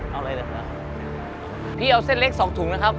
เอาอะไรเลยครับพี่เอาเส้นเล็กสองถุงนะครับ